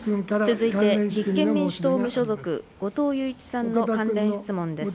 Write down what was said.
続いて立憲民主党無所属、後藤祐一さんの関連質問です。